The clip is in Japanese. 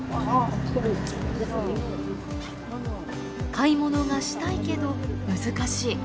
買い物がしたいけど難しい。